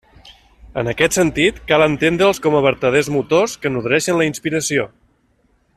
En aquest sentit, cal entendre'ls com a vertaders motors que nodreixen la inspiració.